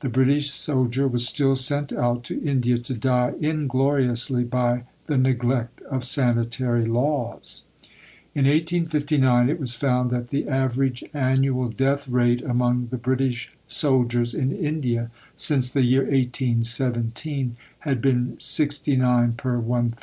The British soldier was still sent out to India to die ingloriously by the neglect of sanitary laws. In 1859 it was found that the average annual death rate among the British soldiers in India since the year 1817 had been 69 per 1000.